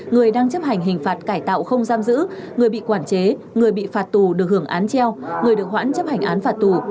người đang chấp hành hình phạt cải tạo không giam giữ người bị quản chế người bị phạt tù được hưởng án treo người được hoãn chấp hành án phạt tù